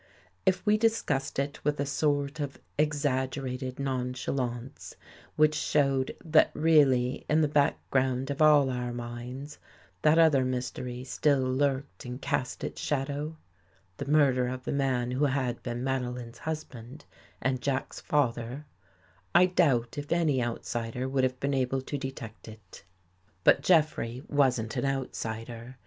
If we discussed it with a sort of exaggerated non chalance, which showed that really in the background of all our minds that other mystery still lurked and cast its shadow — the murder of the man who had been Madeline's husband and Jack's father — I doubt if any outsider would have been able to de tect it. But Jeffrey wasn't an outsider.